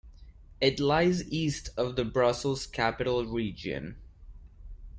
It lies east of the Brussels-Capital Region.